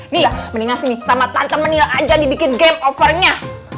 nih ya mendingan sini sama tante menil aja dibikin game overnya